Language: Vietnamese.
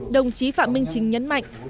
đồng chí phạm minh chính nhấn mạnh